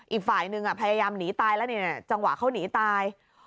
อีกฝ่ายหนึ่งพยายามหนีตายแล้วจังหวะเขาหนีตาย